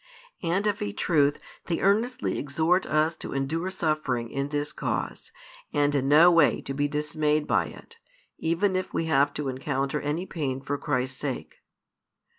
And of a truth they earnestly exhort us to endure suffering in this cause, and in no way to be dismayed by it, even if we have to encounter any pain for Christ's sake.